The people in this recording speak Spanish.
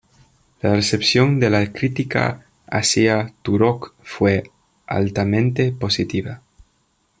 La recepción de la crítica hacía "Turok" fue altamente positiva.